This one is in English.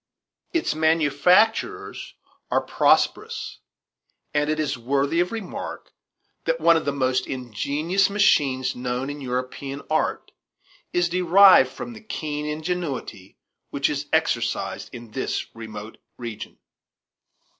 Its manufacturers are prosperous, and it is worthy of remark that one of the most ingenious machines known in European art is derived from the keen ingenuity which is exercised in this remote region.